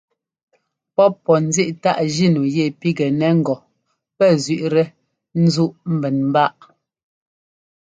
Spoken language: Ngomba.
Pɔ́p pɔ́ ńzíꞌ táꞌ jínu yɛ pigɛnɛ ŋgɔ pɛ́ zẅíꞌtɛ ńzúꞌ ḿbɛn ḿbáꞌ.